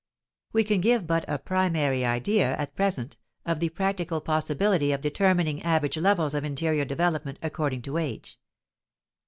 We can give but a primary idea at present of the practical possibility of determining average levels of interior development according to age.